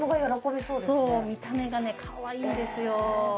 そう見た目がねかわいいんですよ